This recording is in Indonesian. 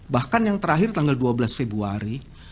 bahkan yang terakhir tanggal dua belas februari